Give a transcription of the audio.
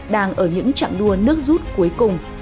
đang ở những trạng đua nước rút cuối cùng